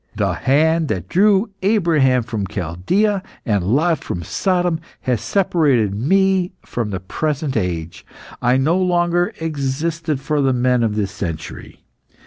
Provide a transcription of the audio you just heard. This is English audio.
The hand that drew Abraham from Chaldaea and Lot from Sodom has separated me from the present age. I no longer existed for the men of this century.